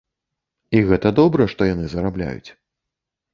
І гэта добра, што яны зарабляюць.